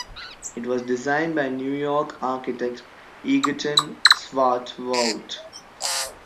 It was designed by New York architect Egerton Swartwout.